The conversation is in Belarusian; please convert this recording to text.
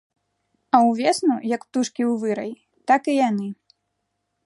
А ўвесну, як птушкі ў вырай, так і яны.